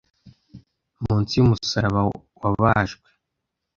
munsi yumusaraba wabajwe